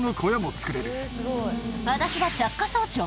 私は。